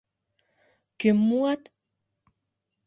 Кӧм муат?